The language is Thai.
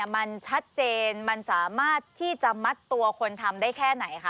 มันชัดเจนมันสามารถที่จะมัดตัวคนทำได้แค่ไหนคะ